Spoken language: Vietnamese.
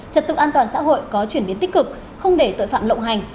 trật tự an toàn xã hội có chuyển biến tích cực không để tội phạm lộng hành